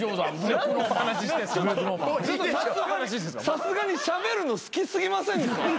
さすがにしゃべるの好き過ぎませんか？